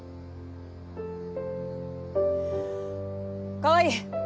川合！